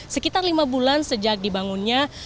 sekitar lima bulan sejak dibangunnya